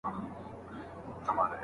موږ به په دې ترکیب سره ټولنه بدله کړو.